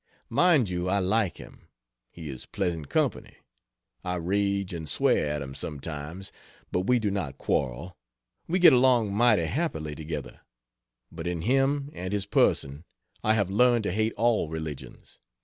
Mind you, I like him; he is pleasant company; I rage and swear at him sometimes, but we do not quarrel; we get along mighty happily together; but in him and his person I have learned to hate all religions.